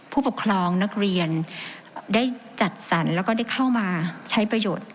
ผู้ปกครองนักเรียนได้จัดสรรแล้วก็ได้เข้ามาใช้ประโยชน์